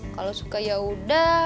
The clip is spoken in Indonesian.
kalo suka yaudah